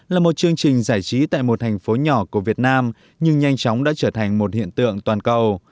là một chương trình giải trí tại một thành phố nhỏ của việt nam nhưng nhanh chóng đã trở thành một hiện tượng toàn cầu